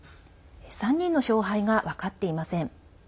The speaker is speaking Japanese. ３人の勝敗が分かっていません。